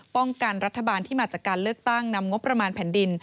กันรัฐบาลที่มาจากการเลือกตั้งนำงบประมาณแผ่นดิน